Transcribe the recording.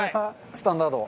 スタンダード。